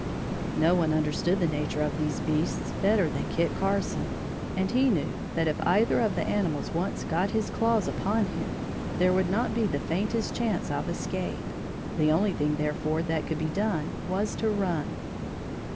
No one understood the nature of these beasts better than Kit Carson and he knew that if either of the animals once got his claws upon him, there would not be the faintest chance of escape. The only thing therefore that could be done was to run.